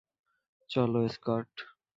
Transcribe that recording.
চলো, স্কট!